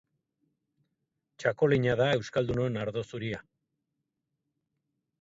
Txakolina da euskaldunon ardo zuria.